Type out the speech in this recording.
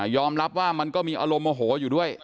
อมรับว่ามันก็มีอารมณ์โมโหอยู่ด้วย